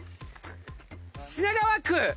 品川区！